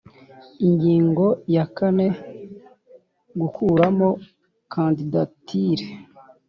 Ingingo ya kane Gukuramo kandidatire